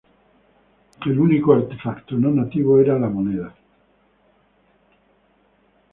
El único artefacto no nativo era la moneda.